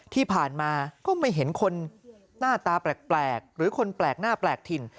ที่ผ่านมาก็ไม่เห็นคนหน้าตาแปลกหรือคนแปลกหน้าแปลกถิ่น